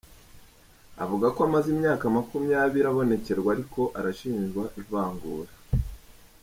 Avuga ko amaze imyaka makumyabiri abonekerwa ariko arashinjwa ivangura